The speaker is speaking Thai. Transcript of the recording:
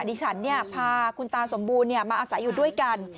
ดิฉันเนี่ยพาคุณตาสมบูรณ์เนี่ยมาอาศัยอยู่ด้วยกัน